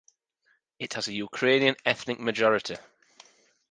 It has a Ukrainian ethnic majority.